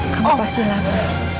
kamu pasti lama